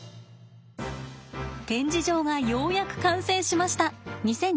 展示場がようやく完成しました。